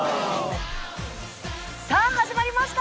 さあ、始まりました。